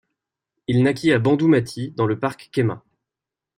Il naquit à Bandhumatî, dans le parc Khema.